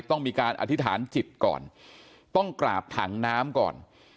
ต้องมีการอธิษฐานจิตก่อนต้องกราบถังน้ำก่อน